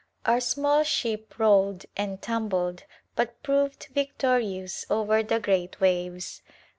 Our small ship rolled and tumbled but proved victorious over the great waves.